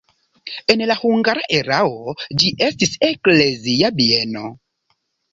En la hungara erao ĝi estis eklezia bieno.